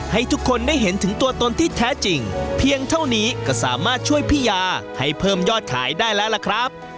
ให้ทุกคนได้เห็นถึงตัวตนที่แท้จริงเพียงเท่านี้ก็สามารถช่วยพี่ยาให้เพิ่มยอดขายได้แล้วล่ะครับ